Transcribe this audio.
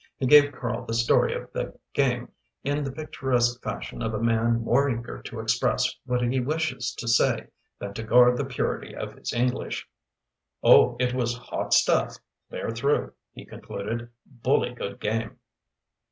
He gave Karl the story of the game in the picturesque fashion of a man more eager to express what he wishes to say than to guard the purity of his English. "Oh, it was hot stuff, clear through," he concluded. "Bully good game!"